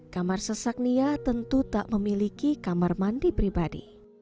kamar sesak nia tentu tak memiliki kamar mandi pribadi